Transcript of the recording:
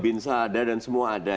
insya allah ada dan semua ada